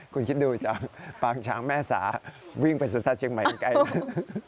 คุณคิดดูจังปางช้างแม่สาวิ่งไปสวนสัตว์เชียงใหม่ไกลแล้ว